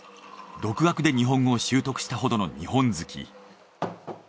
独学で日本語を習得したほどの日本好き。